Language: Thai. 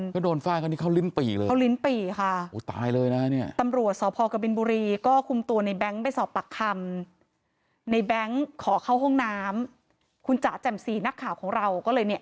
ก็โดนไฟล์กันที่เขาลิ้นปีกเลยเขาลิ้นปีกค่ะอู๋ตายเลยน่ะเนี้ย